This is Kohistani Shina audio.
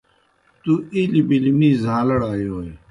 تُوْ اِلیْ بِلیْ می زھاݩلڑ آیوئے۔